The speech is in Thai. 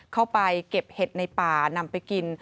เข้าไปเก็บเห็ดในป่านำไปกิน